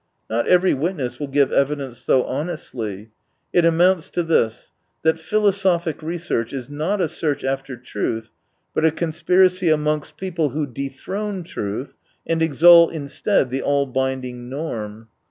Not every witness will give evidence so honestly. It amounts to this : that philosophic research is not a search after truth, but a conspiracy amongst people who dethrone truth and exalt instead the all binding norm.